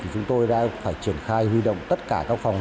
chúng tôi đã phải triển khai huy động tất cả các phòng